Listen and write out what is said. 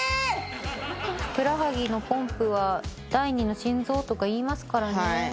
ふくらはぎのポンプは第２の心臓とか言いますからね。